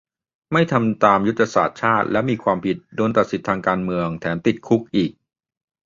ไม่ทำตามยุทธศาสตร์ชาติแล้วมีความผิด โดนตัดสิทธิ์ทางการเมือง แถมติดคุกอีก